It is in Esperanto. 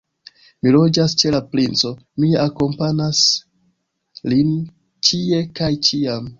Mi loĝas ĉe la princo, mia akompanas lin ĉie kaj ĉiam.